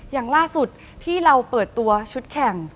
อย่างล่าสุดที่เราเปิดตัวชุดแข่ง